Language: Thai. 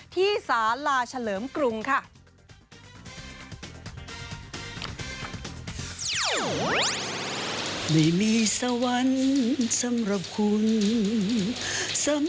สาลาเฉลิมกรุงค่ะ